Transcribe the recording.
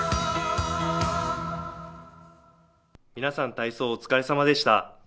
皆さん体操お疲れさまでした。